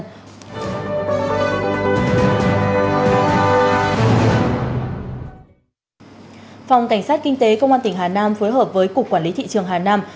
phòng cảnh sát kinh tế công an tỉnh hà nam phối hợp với cục quản lý thị trường hà nam